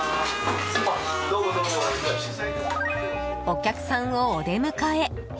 お客さんをお出迎え。